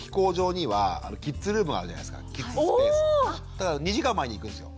だから２時間前に行くんですよ。